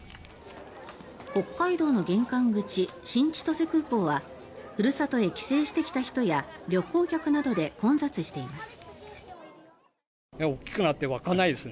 北海道の玄関口、新千歳空港はふるさとへ帰省してきた人や旅行客などで混雑しています。